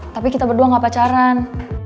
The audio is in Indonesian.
tapi kita berdua gak pacaran